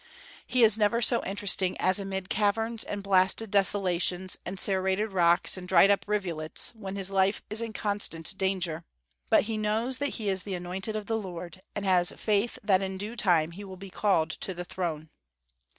He is never so interesting as amid caverns and blasted desolations and serrated rocks and dried up rivulets, when his life is in constant danger. But he knows that he is the anointed of the Lord, and has faith that in due time he will be called to the throne.